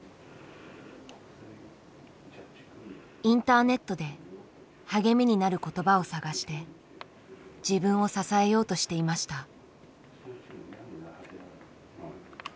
インターネットで励みになる言葉を探して自分を支えようとしていました。